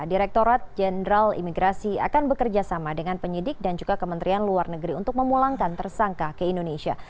direktorat jenderal imigrasi akan bekerja sama dengan penyidik dan juga kementerian luar negeri untuk memulangkan tersangka ke indonesia